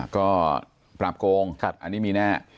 ก็ปราบโกงอันนี้มีแน่